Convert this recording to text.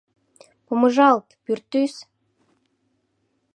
Помыжалт, пӱртӱс!